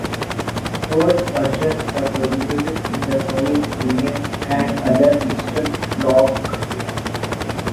Both versions were produced in the Soviet Union and other Eastern Bloc countries.